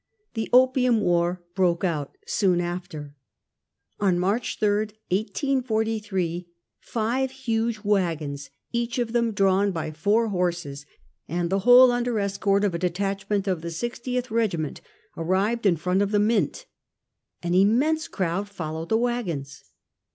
The Opium War broke out soon after. On March 3, 1843, five huge waggons, each of them drawn by four horses, and the whole under escort of a detachment of the 60th Regiment, arrived in front of the Mint. An immense crowd followed the waggons.